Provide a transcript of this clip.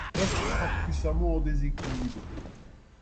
Hurst frappe puissamment en déséquilibre.